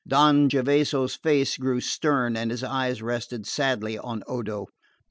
Don Gervaso's face grew stern and his eyes rested sadly on Odo.